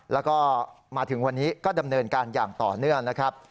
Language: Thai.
แล้วก็มาถึงวันนี้ก็ดำเนินการอย่างต่อเนื่องนะครับ